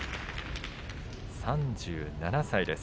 ３７歳です。